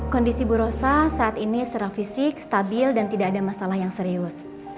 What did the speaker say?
kondisi bu rosa saat ini secara fisik stabil dan tidak ada masalah yang serius